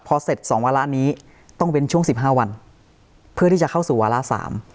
พอเสร็จสองวาระนี้ต้องเว้นช่วงสิบห้าวันเพื่อที่จะเข้าสู่วาระสาม